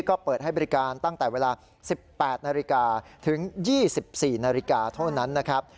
ก็เปิดให้บริการตั้งแต่เวลา๑๘นาฬิกาถึง๒๔นาฬิกาเท่านั้นนะครับ